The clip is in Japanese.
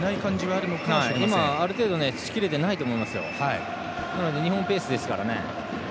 ある程度しきれていないと思います、日本ペースですから。